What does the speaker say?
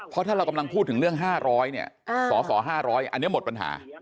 เพราะถ้าเรากำลังพูดถึงเรื่อง๕๐๐เนี่ยสส๕๐๐อันนี้หมดปัญหา